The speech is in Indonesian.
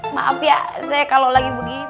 maaf ya saya kalau lagi begini